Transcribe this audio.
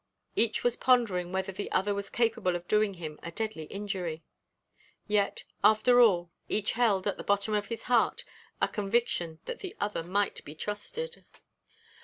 Each was pondering whether the other was capable of doing him a deadly injury. Yet, after all, each held, at the bottom of his heart, a conviction that the other might be trusted.